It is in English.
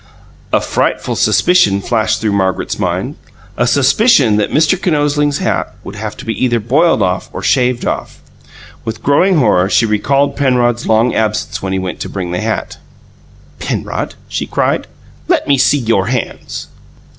A frightful suspicion flashed through Margaret's mind a suspicion that Mr. Kinosling's hat would have to be either boiled off or shaved off. With growing horror she recalled Penrod's long absence when he went to bring the hat. "Penrod," she cried, "let me see your hands!"